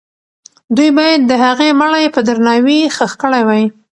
دوی باید د هغې مړی په درناوي ښخ کړی وای.